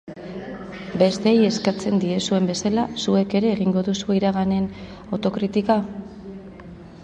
Besteei eskatzen diezuen bezala, zuek ere egingo duzue iraganaren autokritika?